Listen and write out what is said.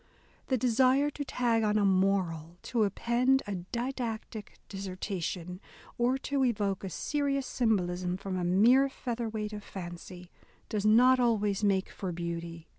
The desire to tag on a moral — to append a didactic dissertation," or to evoke a serious symbolism from a mere featherweight of fancy, does not always make for beauty.